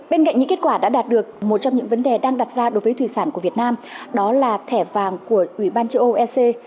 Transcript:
bên cạnh những kết quả đã đạt được một trong những vấn đề đang đặt ra đối với thủy sản của việt nam đó là thẻ vàng của ủy ban châu âu ec